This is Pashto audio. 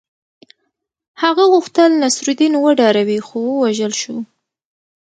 هغه غوښتل نصرالدین وډاروي خو ووژل شو.